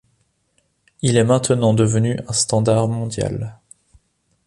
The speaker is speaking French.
Il est maintenant devenu un standard mondial.